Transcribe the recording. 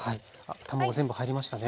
卵全部入りましたね。